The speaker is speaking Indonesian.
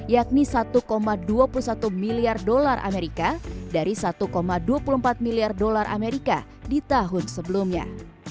yakni satu dua puluh satu miliar dolar amerika dari satu dua puluh empat miliar dolar amerika di tahun sebelumnya